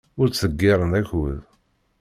Ur ttḍeyyiɛen akud.